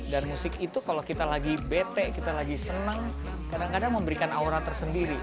dan musik itu kalau kita lagi bete kita lagi senang kadang kadang memberikan aura tersendiri